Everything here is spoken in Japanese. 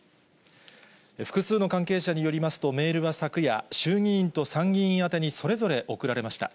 複数の関係者によりますと、メールは昨夜、衆議院と参議院宛てにそれぞれ送られました。